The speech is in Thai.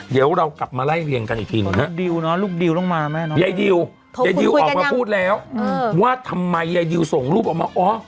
เดี๋ยวเรากลับมาไล่เรียงกันอีกทีนึงนะฮะยายดิลออกมาพูดแล้วว่าทำไมยายดิลส่งรูปออกมา